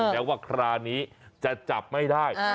แม้ว่าคราวนี้จะจับไม่ได้